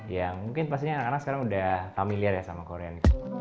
yang mungkin anak anak sekarang sudah familiar ya sama korean